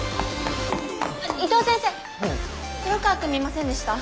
伊藤先生黒川くん見ませんでした？